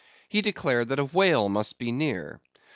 He declared that a whale must be near.